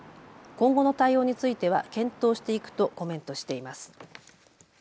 今後の対応については検討していくとコメントしています。